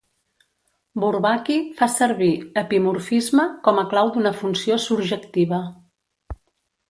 Bourbaki fa servir "epimorfisme" com a clau d'una funció surjectiva.